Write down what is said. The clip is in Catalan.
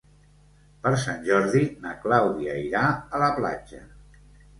Per Sant Jordi na Clàudia irà a la platja.